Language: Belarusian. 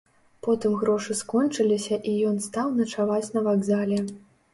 Потым грошы скончыліся і ён стаў начаваць на вакзале.